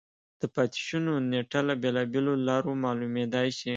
د پاتې شونو نېټه له بېلابېلو لارو معلومېدای شي.